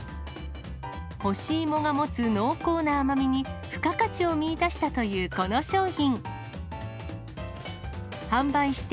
干し芋が持つ濃厚な甘みに付加価値を見いだしたというこの商品。